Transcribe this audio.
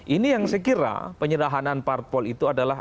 ini yang saya kira penyerahanan parpol itu adalah